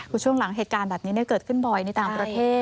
คือช่วงหลังเหตุการณ์แบบนี้เกิดขึ้นบ่อยในต่างประเทศ